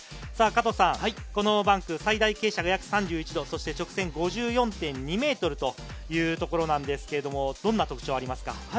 加藤さん、このバンク最大傾斜が約３１度、直線５４．２ｍというところですが、どんな特徴がありますか？